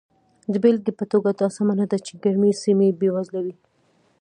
د بېلګې په توګه دا سمه نه ده چې ګرمې سیمې بېوزله وي.